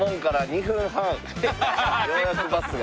ようやくバスが。